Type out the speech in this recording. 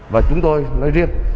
và chúng tôi nói riêng